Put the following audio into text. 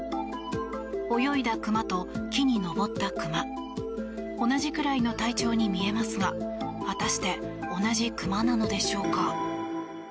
泳いだクマと木に登ったクマ同じくらいの体長に見えますが果たして同じクマなのでしょうか。